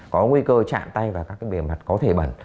có nguy cơ chạm tay vào các cái bề mặt có thể bẩn